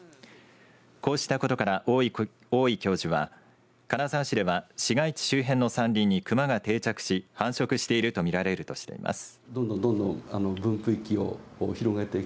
こうしたことから大井教授は金沢市では市街地周辺の山林にクマが定着し繁殖しているとみられるとしています。